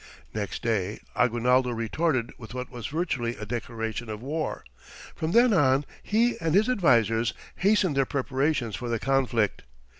Next day Aguinaldo retorted with what was virtually a declaration of war. From then on he and his advisers hastened their preparations for the conflict.